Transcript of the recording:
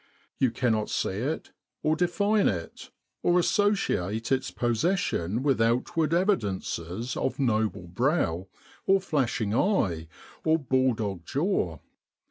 You cannot see it or define it, or associate its possession with outward evidences of noble brow, or flashing eye, or bulldog jaw.